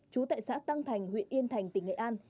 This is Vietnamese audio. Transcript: trú tại xã tăng thành huyện yên thành tỉnh nghệ an